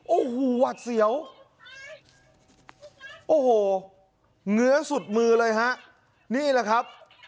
โอ้โหหวัดเสียวโอ้โหเงื้อสุดมือเลยฮะนี่แหละครับ